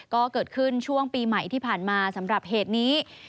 ก็เกิดขึ้นช่วงปีใหม่ที่ผ่านมาสำหรับเหตุนี้